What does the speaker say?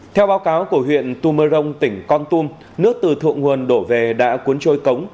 theo báo cáo của huyện tumorong tỉnh con tum nước từ thượng nguồn đổ về đã cuốn trôi cống